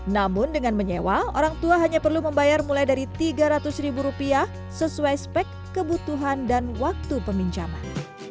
namun dengan menyewa orang tua hanya perlu membayar mulai dari tiga ratus ribu rupiah sesuai spek kebutuhan dan waktu peminjaman